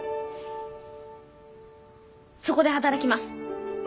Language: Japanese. そこで働きます。